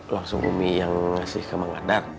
langsung umi yang ngasih ke mang adar